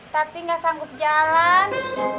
tadi gak sanggup jalan